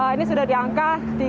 ini sudah diangka empat puluh tiga